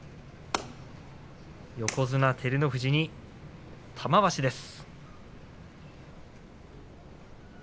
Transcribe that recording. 横綱照ノ富士に玉鷲です。